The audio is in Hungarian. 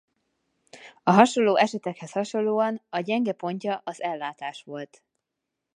A hasonló esetekhez hasonlóan a gyenge pontja az ellátás volt.